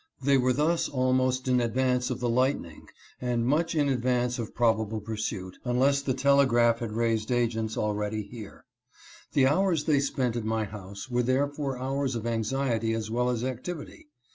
They were thus almost in advance of the lightning, and much in advance of probable pursuit, unless the telegraph 350 THE JERRY RESCUE. had raised agents already here. The hours they spent at my house were therefore hours of anxiety as well as activity.